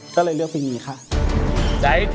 ก็เลยเลือกเพลงนี้ค่ะ